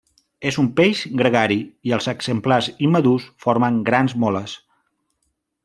És un peix gregari i els exemplars immadurs formen grans moles.